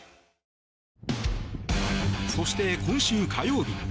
そして今週火曜日。